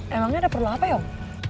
emangnya ada perlu apa ya om